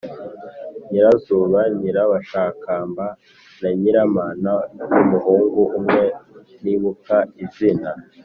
nyirazuba, nyirabashakamba na nyiramana n’umuhungu umwe ntibuka izina.